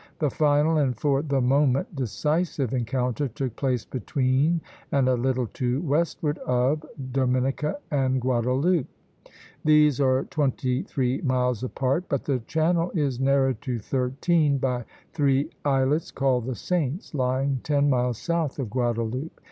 The final, and for the moment decisive, encounter took place between, and a little to westward of, Dominica and Guadeloupe. These are twenty three miles apart; but the channel is narrowed to thirteen by three islets called the Saints, lying ten miles south of Guadeloupe.